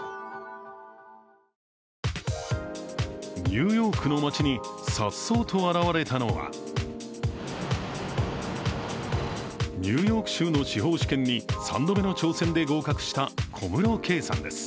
ニューヨークの街に颯爽と現れたのはニューヨーク州の司法試験に３度目の挑戦で合格した小室圭さんです。